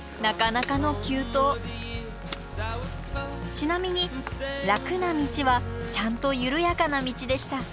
ちなみに楽な道はちゃんと緩やかな道でした。